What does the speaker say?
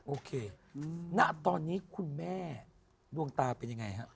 โอเคณตอนนี้คุณแม่ดวงตาเป็นยังไงฮะ